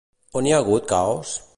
On hi ha hagut caos?